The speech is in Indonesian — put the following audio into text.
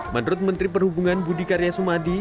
menurut menteri perhubungan budi karyasumadi